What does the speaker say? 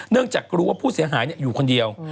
เนื่องจากก็รู้ว่าผู้เสียหายอยู่คนเดียว